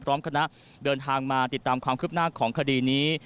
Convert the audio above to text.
พร้อมคณะเดินทางมาติดตามความคืบหน้าของคดีนี้